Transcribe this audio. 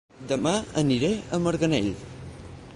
Dema aniré a Marganell